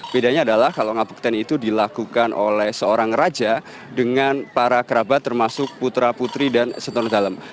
bedanya adalah kalau ngabukten itu dilakukan oleh seorang raja dengan para kerabat termasuk putra putri dan setoran dalam